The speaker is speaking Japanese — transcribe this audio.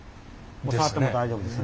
触っても大丈夫です。